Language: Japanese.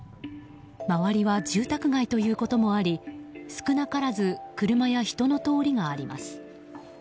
周りは住宅街ということもあり少なからず車や人の通りがあります。